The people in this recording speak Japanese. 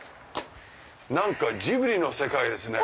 何かジブリの世界ですね。